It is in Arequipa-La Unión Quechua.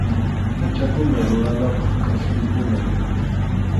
Pʼachakuna ruranapaq kʼaspikunam.